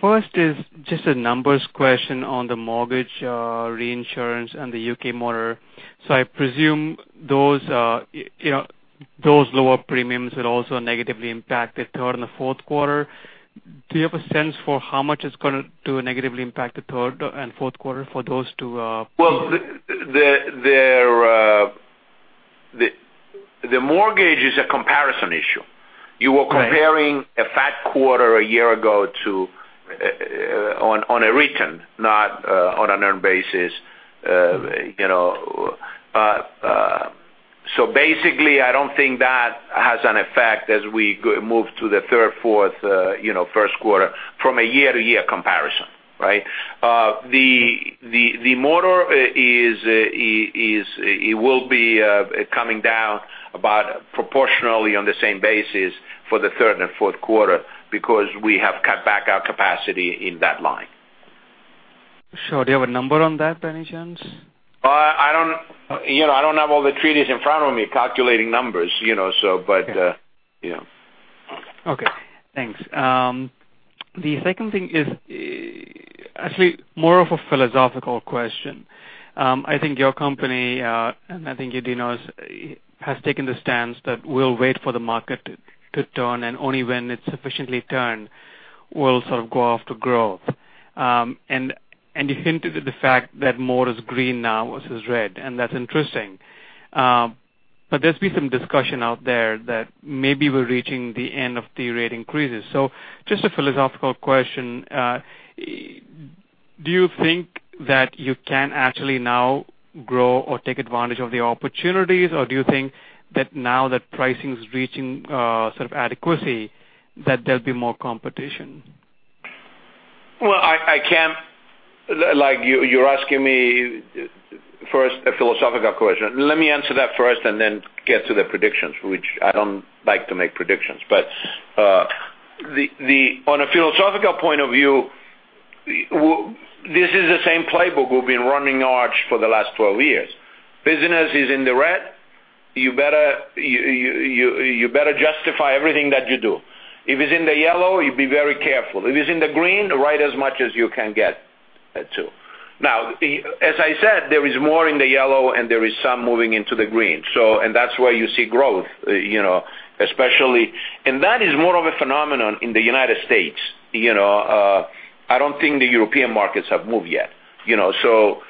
First is just a numbers question on the mortgage reinsurance and the U.K. motor. I presume those lower premiums will also negatively impact the third and the fourth quarter. Do you have a sense for how much it's going to negatively impact the third and fourth quarter for those two? Well, the mortgage is a comparison issue. Right. You are comparing a fat quarter a year ago on a written, not on an earned basis. Basically, I don't think that has an effect as we move to the third, fourth, first quarter from a year-to-year comparison, right? The motor, it will be coming down about proportionally on the same basis for the third and fourth quarter because we have cut back our capacity in that line. Sure. Do you have a number on that by any chance? I don't have all the treaties in front of me calculating numbers. Okay. Thanks. The second thing is actually more of a philosophical question. I think your company, and I think Dino has taken the stance that we'll wait for the market to turn, only when it's sufficiently turned, we'll sort of go off to growth. You hinted at the fact that more is green now versus red, and that's interesting. There's been some discussion out there that maybe we're reaching the end of the rate increases. Just a philosophical question. Do you think that you can actually now grow or take advantage of the opportunities, or do you think that now that pricing is reaching sort of adequacy, that there'll be more competition? Well, you're asking me first a philosophical question. Let me answer that first and then get to the predictions, which I don't like to make predictions. On a philosophical point of view, this is the same playbook we've been running Arch for the last 12 years. Business is in the red. You better justify everything that you do. If it's in the yellow, you be very careful. If it's in the green, write as much as you can get to. Now, as I said, there is more in the yellow, and there is some moving into the green. That's why you see growth. That is more of a phenomenon in the United States. I don't think the European markets have moved yet. The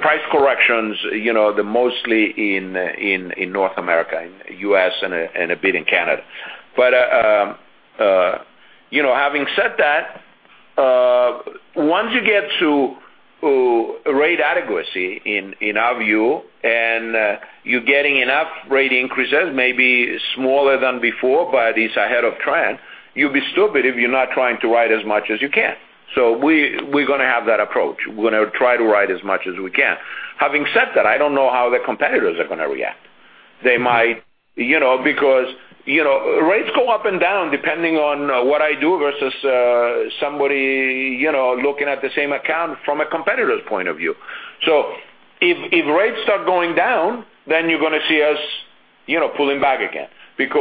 price corrections, they're mostly in North America, in U.S., and a bit in Canada. Having said that, once you get to rate adequacy in our view, and you're getting enough rate increases, maybe smaller than before, but it's ahead of trend, you'd be stupid if you're not trying to write as much as you can. We're going to have that approach. We're going to try to write as much as we can. Having said that, I don't know how the competitors are going to react. They might, because rates go up and down depending on what I do versus somebody looking at the same account from a competitor's point of view. If rates start going down, then you're going to see us pulling back again. Our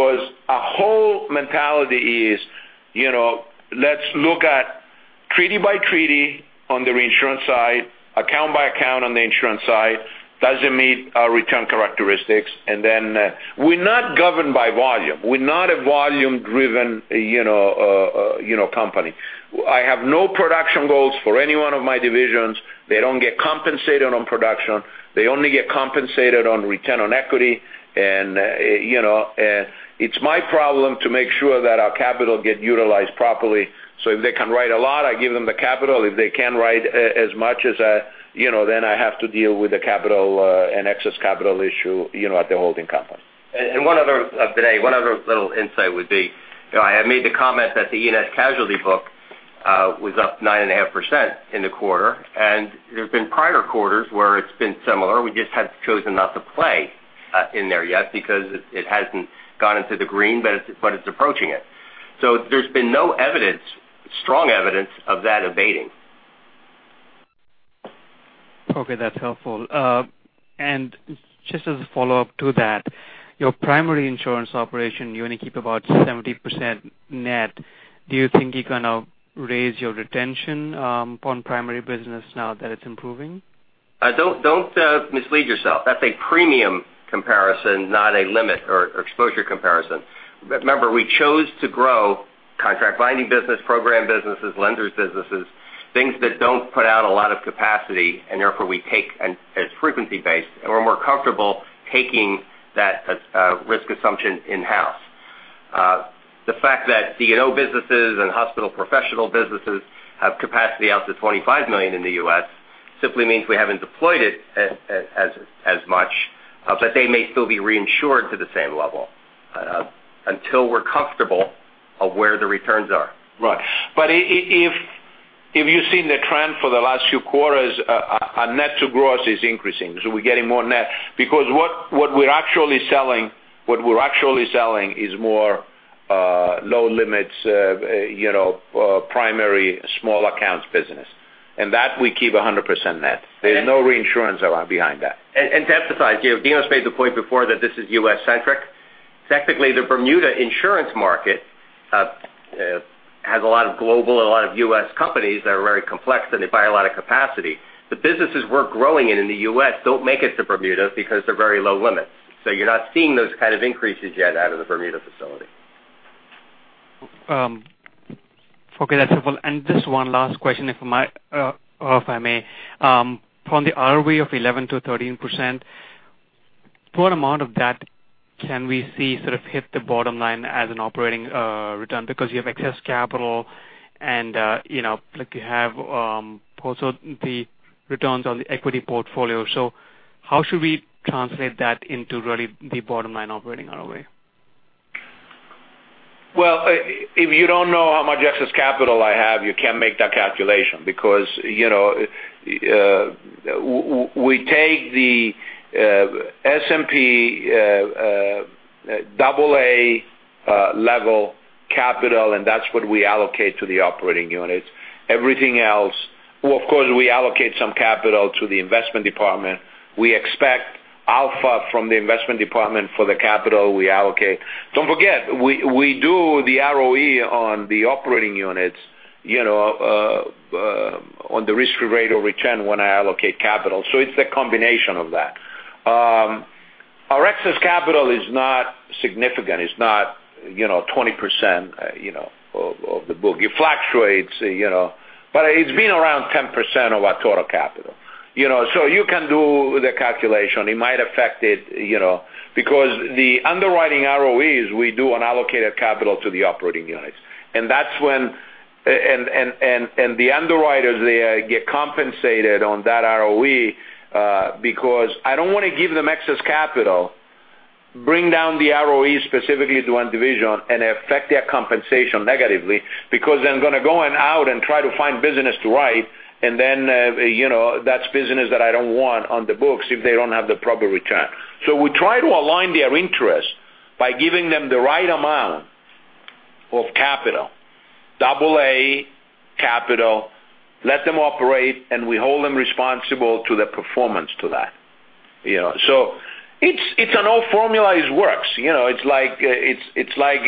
whole mentality is, let's look at treaty by treaty on the reinsurance side, account by account on the insurance side, does it meet our return characteristics? Then we're not governed by volume. We're not a volume-driven company. I have no production goals for any one of my divisions. They don't get compensated on production. They only get compensated on return on equity. It's my problem to make sure that our capital get utilized properly. If they can write a lot, I give them the capital. If they can write as much as that, I have to deal with the capital and excess capital issue at the holding company. One other, Vinay, one other little insight would be, I had made the comment that the E&S casualty book was up 9.5% in the quarter, and there's been prior quarters where it's been similar. We just have chosen not to play in there yet because it hasn't gone into the green, but it's approaching it. There's been no evidence, strong evidence of that abating. Okay, that's helpful. Just as a follow-up to that, your primary insurance operation, you only keep about 70% net. Do you think you're going to raise your retention on primary business now that it's improving? Don't mislead yourself. That's a premium comparison, not a limit or exposure comparison. Remember, we chose to grow contract binding business, program businesses, lenders businesses, things that don't put out a lot of capacity, and therefore we take as frequency-based, and we're more comfortable taking that risk assumption in-house. The fact that D&O businesses and hospital professional businesses have capacity out to $25 million in the U.S. simply means we haven't deployed it as much, but they may still be reinsured to the same level until we're comfortable of where the returns are. Right. If you've seen the trend for the last few quarters, our net to gross is increasing. We're getting more net because what we're actually selling is more low limits, primary small accounts business. That we keep 100% net. There's no reinsurance behind that. To emphasize, Dinos' made the point before that this is U.S.-centric. Technically, the Bermuda insurance market has a lot of global, a lot of U.S. companies that are very complex, and they buy a lot of capacity. The businesses we're growing in the U.S. don't make it to Bermuda because they're very low limits. You're not seeing those kind of increases yet out of the Bermuda facility. Okay, that's helpful. Just one last question, if I may. From the ROE of 11%-13%, what amount of that can we see sort of hit the bottom line as an operating return? Because you have excess capital and you have also the returns on the equity portfolio. How should we translate that into really the bottom line operating ROE? Well, if you don't know how much excess capital I have, you can't make that calculation because we take the S&P AA level capital, and that's what we allocate to the operating units. Everything else, of course, we allocate some capital to the investment department. We expect alpha from the investment department for the capital we allocate. Don't forget, we do the ROE on the operating units on the risk-free rate of return when I allocate capital. It's the combination of that. Our excess capital is not significant. It's not 20% of the book. It fluctuates, but it's been around 10% of our total capital. You can do the calculation. It might affect it because the underwriting ROEs we do on allocated capital to the operating units. The underwriters, they get compensated on that ROE, because I don't want to give them excess capital, bring down the ROE specifically to one division, and affect their compensation negatively because they're going to go out and try to find business to write, and then that's business that I don't want on the books if they don't have the proper return. We try to align their interest by giving them the right amount of capital, AA capital, let them operate, and we hold them responsible to the performance to that. It's an old formula. It works. It's like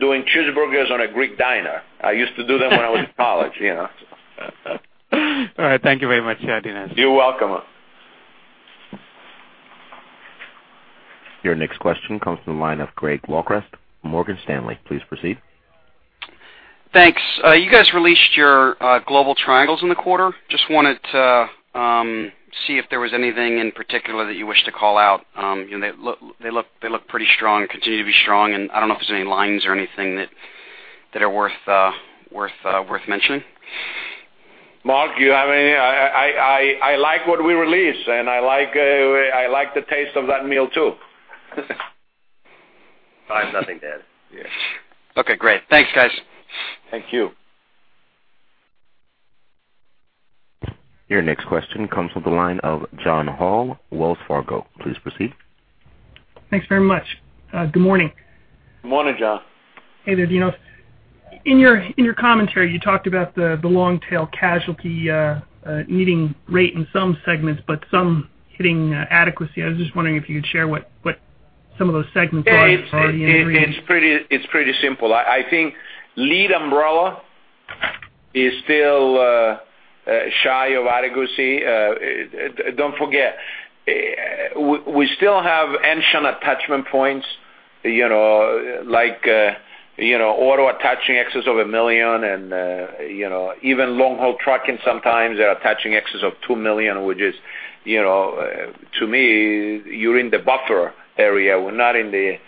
doing cheeseburgers on a Greek diner. I used to do them when I was in college. All right. Thank you very much, Dino. You're welcome. Your next question comes from the line of Craig W.oker, Morgan Stanley. Please proceed. Thanks. You guys released your global triangles in the quarter. Just wanted to see if there was anything in particular that you wish to call out. They look pretty strong and continue to be strong, and I don't know if there's any lines or anything that are worth mentioning. Mark, do you have any? I like what we released, and I like the taste of that meal, too. I have nothing to add. Okay, great. Thanks, guys. Thank you. Your next question comes from the line of John Hall, Wells Fargo. Please proceed. Thanks very much. Good morning. Good morning, John. Hey there, Dinos. In your commentary, you talked about the long tail casualty needing rate in some segments, but some hitting adequacy. I was just wondering if you could share what some of those segments were. It's pretty simple. I think lead umbrella is still shy of adequacy. Don't forget, we still have ancient attachment points like auto attaching excess of $1 million and even long haul trucking sometimes attaching excess of $2 million, which is, to me, you're in the buffer area. We're not in the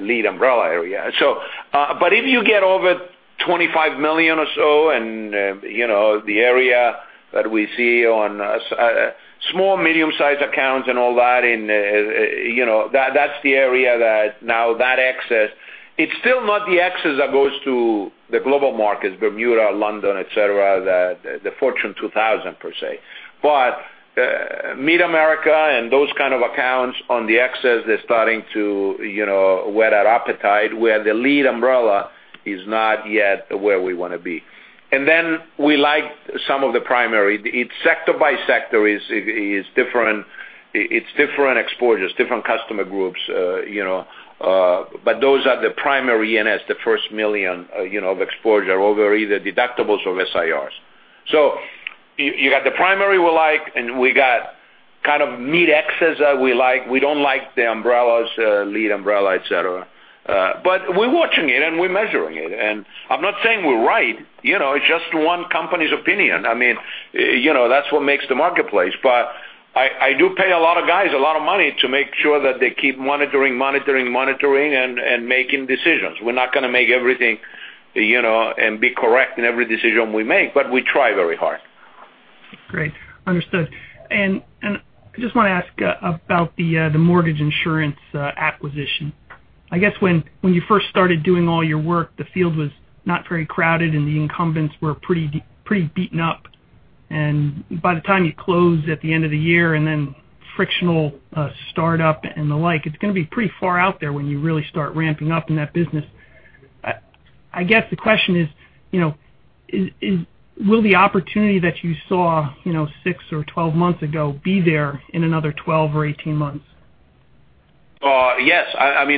lead umbrella area. If you get over $25 million or so, and the area that we see on small medium-sized accounts and all that's the area that now that excess. It's still not the excess that goes to the global markets, Bermuda, London, et cetera, the Fortune 500 per se. Mid-America and those kind of accounts on the excess, they're starting to wet our appetite, where the lead umbrella is not yet where we want to be. Then we like some of the primary. It's sector by sector is different exposures, different customer groups, but those are the primary E&S, the first $1 million of exposure over either deductibles or SIRs. You got the primary we like, and we got kind of mid-excess that we like. We don't like the umbrellas, lead umbrella, et cetera. We're watching it, and we're measuring it. I'm not saying we're right. It's just one company's opinion. That's what makes the marketplace. I do pay a lot of guys a lot of money to make sure that they keep monitoring, monitoring, and making decisions. We're not going to make everything and be correct in every decision we make, but we try very hard. Great. Understood. I just want to ask about the mortgage insurance acquisition. I guess when you first started doing all your work, the field was not very crowded and the incumbents were pretty beaten up. By the time you close at the end of the year and then frictional startup and the like, it's going to be pretty far out there when you really start ramping up in that business. I guess the question is, will the opportunity that you saw 6 or 12 months ago be there in another 12 or 18 months? Yes.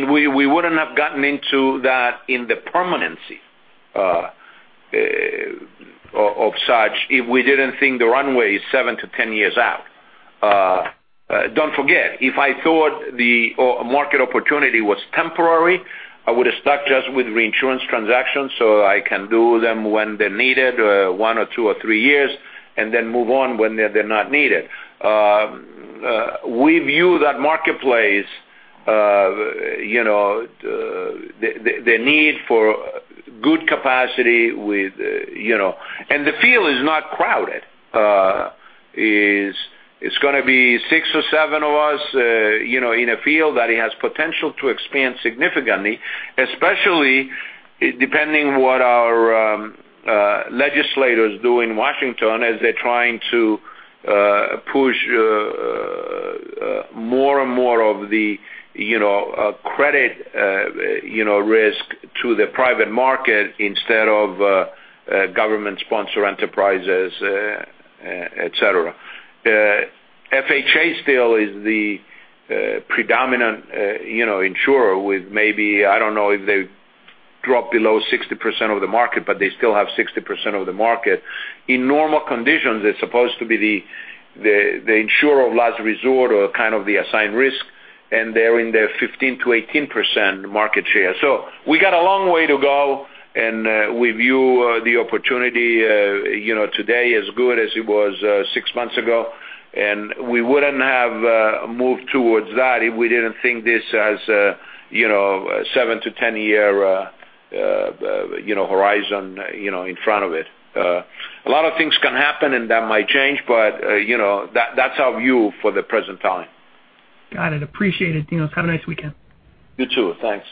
We wouldn't have gotten into that in the permanency of such if we didn't think the runway is 7 to 10 years out. Don't forget, if I thought the market opportunity was temporary, I would have stuck just with reinsurance transactions so I can do them when they're needed, one or two or three years, and then move on when they're not needed. We view that marketplace, the need for good capacity with The field is not crowded. It's going to be six or seven of us in a field that it has potential to expand significantly, especially depending what our legislators do in Washington as they're trying to push more and more of the credit risk to the private market instead of Government-Sponsored Enterprises, et cetera. FHA still is the predominant insurer with maybe, I don't know if they've dropped below 60% of the market, but they still have 60% of the market. In normal conditions, it's supposed to be the insurer of last resort or kind of the assigned risk, and they're in their 15%-18% market share. We got a long way to go, and we view the opportunity today as good as it was six months ago. We wouldn't have moved towards that if we didn't think this as a 7 to 10 year horizon in front of it. A lot of things can happen, and that might change, but that's our view for the present time. Got it. Appreciate it, Dino. Have a nice weekend. You too. Thanks.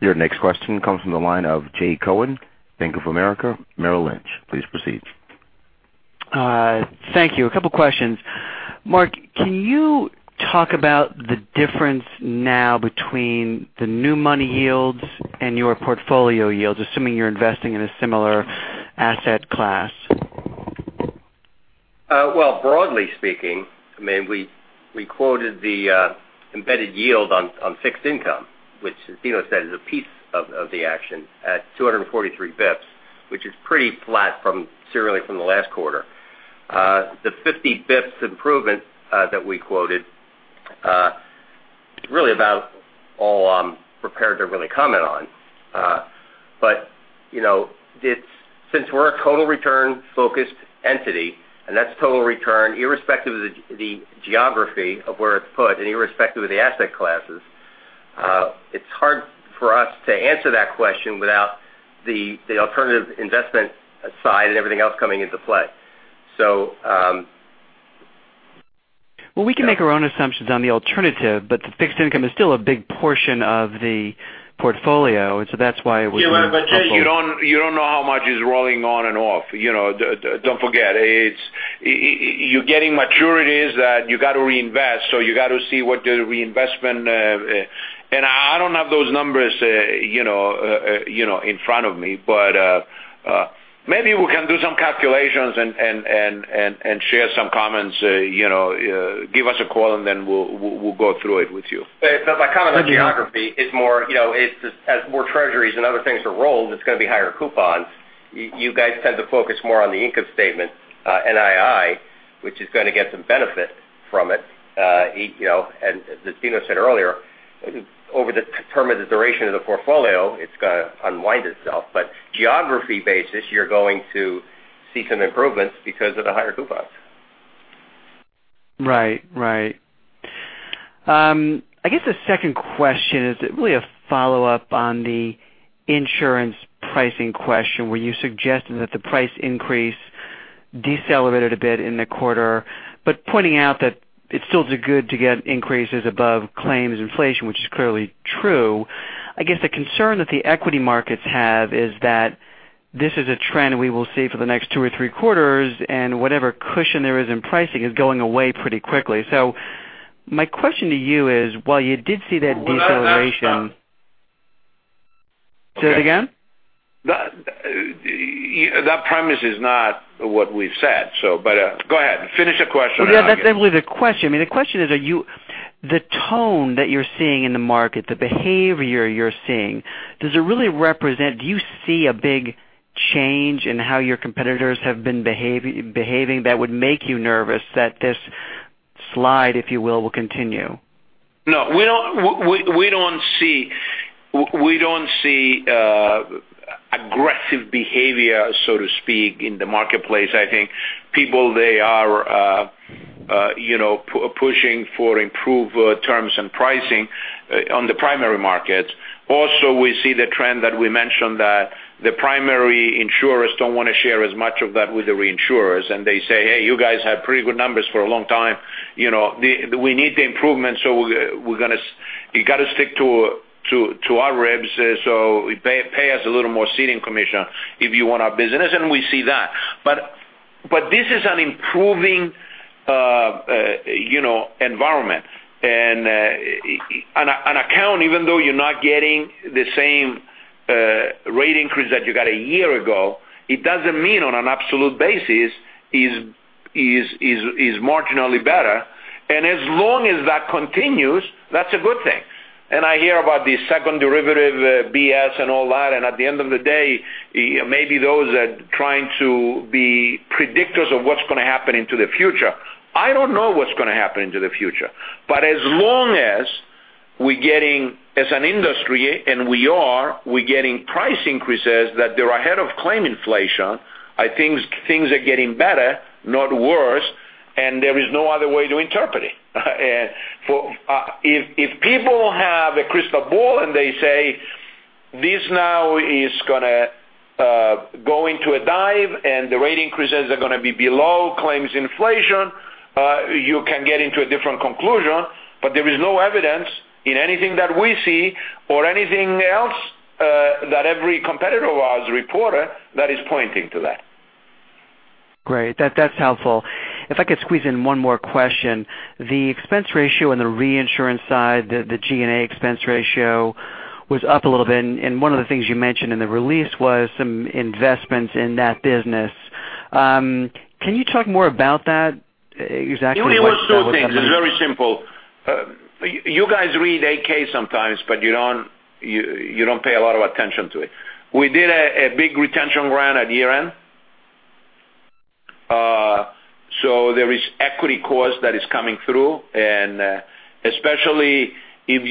Your next question comes from the line of Jay Cohen, Bank of America Merrill Lynch. Please proceed. Thank you. A couple questions. Mark, can you talk about the difference now between the new money yields and your portfolio yields, assuming you're investing in a similar asset class? Well, broadly speaking, we quoted the embedded yield on fixed income, which as Dino said, is a piece of the action at 243 bips, which is pretty flat serially from the last quarter. The 50 bips improvement that we quoted is really about all I'm prepared to really comment on. Since we're a total return-focused entity, and that's total return irrespective of the geography of where it's put and irrespective of the asset classes, it's hard for us to answer that question without the alternative investment side and everything else coming into play. Well, we can make our own assumptions on the alternative. The fixed income is still a big portion of the portfolio. You don't know how much is rolling on and off. Don't forget, you're getting maturities that you got to reinvest, so you got to see what the reinvestment. I don't have those numbers in front of me. Maybe we can do some calculations and share some comments. Give us a call, then we'll go through it with you. My comment on geography is more, as more treasuries and other things are rolled, it's going to be higher coupons. You guys tend to focus more on the income statement, NII, which is going to get some benefit from it. As Dinos said earlier, over the term of the duration of the portfolio, it's going to unwind itself. Geography-based, you're going to see some improvements because of the higher coupons. Right. I guess the second question is really a follow-up on the insurance pricing question, where you suggested that the price increase decelerated a bit in the quarter, but pointing out that it still did good to get increases above claims inflation, which is clearly true. I guess the concern that the equity markets have is that this is a trend we will see for the next two or three quarters, and whatever cushion there is in pricing is going away pretty quickly. My question to you is, while you did see that deceleration. That's not. Say that again? That premise is not what we've said. Go ahead, finish the question. Yeah, that's exactly the question. I mean, the question is, the tone that you're seeing in the market, the behavior you're seeing, do you see a big change in how your competitors have been behaving that would make you nervous that this slide, if you will continue? No. We don't see aggressive behavior, so to speak, in the marketplace. I think people, they are pushing for improved terms and pricing on the primary markets. We see the trend that we mentioned, that the primary insurers don't want to share as much of that with the reinsurers. They say, "Hey, you guys had pretty good numbers for a long time. We need the improvement, so you got to stick to our ribs. Pay us a little more ceding commission if you want our business." We see that. This is an improving environment. On account, even though you're not getting the same rate increase that you got a year ago, it doesn't mean on an absolute basis is marginally better. As long as that continues, that's a good thing. I hear about the second derivative BS and all that, and at the end of the day, maybe those are trying to be predictors of what's going to happen into the future. I don't know what's going to happen into the future. As long as we're getting, as an industry, and we are, we're getting price increases that they're ahead of claim inflation, I think things are getting better, not worse. There is no other way to interpret it. If people have a crystal ball and they say, "This now is going to go into a dive, and the rate increases are going to be below claims inflation," you can get into a different conclusion. There is no evidence in anything that we see or anything else that every competitor of ours reported that is pointing to that. Great. That's helpful. If I could squeeze in one more question. The expense ratio on the reinsurance side, the G&A expense ratio was up a little bit. One of the things you mentioned in the release was some investments in that business. Can you talk more about that, exactly what that was? It was two things. It's very simple. You guys read 8-K sometimes, but you don't pay a lot of attention to it. We did a big retention round at year-end. There is equity cost that is coming through. Especially if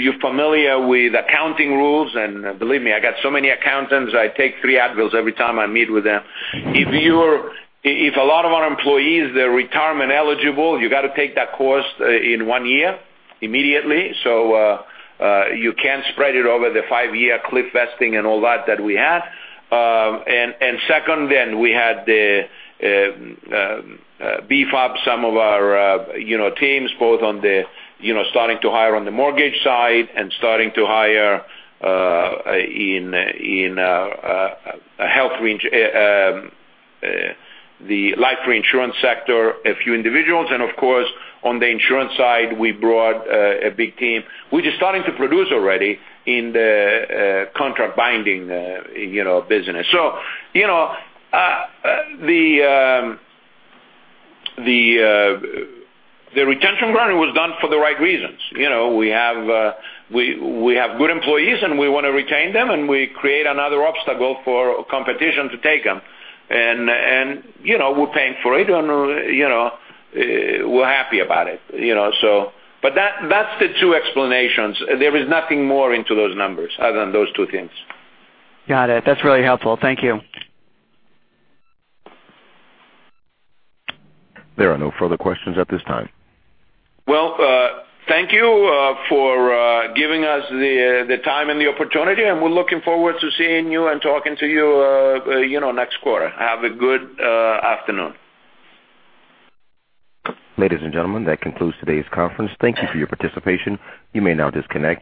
you're familiar with accounting rules, and believe me, I got so many accountants, I take three Advils every time I meet with them. If a lot of our employees, they're retirement eligible, you got to take that course in one year, immediately. You can't spread it over the five-year cliff vesting and all that that we had. Second, we had beefed up some of our teams, both on the starting to hire on the mortgage side and starting to hire in the life reinsurance sector, a few individuals. Of course, on the insurance side, we brought a big team, which is starting to produce already in the contract binding business. The retention round was done for the right reasons. We have good employees and we want to retain them, and we create another obstacle for competition to take them. We're paying for it, and we're happy about it. That's the two explanations. There is nothing more into those numbers other than those two things. Got it. That's really helpful. Thank you. There are no further questions at this time. Well, thank you for giving us the time and the opportunity. We're looking forward to seeing you and talking to you next quarter. Have a good afternoon. Ladies and gentlemen, that concludes today's conference. Thank you for your participation. You may now disconnect.